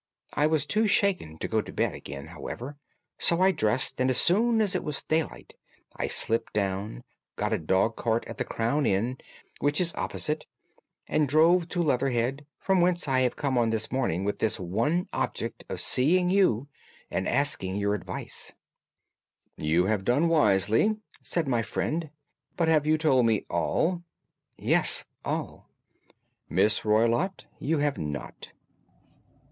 I was too shaken to go to bed again, however, so I dressed, and as soon as it was daylight I slipped down, got a dog cart at the Crown Inn, which is opposite, and drove to Leatherhead, from whence I have come on this morning with the one object of seeing you and asking your advice." "You have done wisely," said my friend. "But have you told me all?" "Yes, all." "Miss Roylott, you have not.